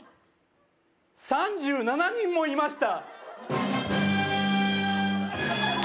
「３７人もいました」